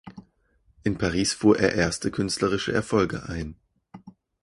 In Paris fuhr er erste künstlerische Erfolge ein.